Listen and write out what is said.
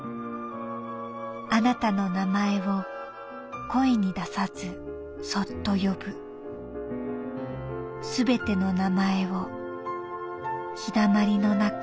「あなたの名前を声に出さずそっと呼ぶすべての名前を陽だまりのなか